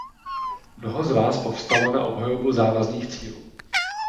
Mnoho z vás povstalo na obhajobu závazných cílů.